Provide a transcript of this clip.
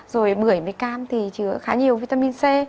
rồi bưởi với cam thì chứa khá nhiều vitamin c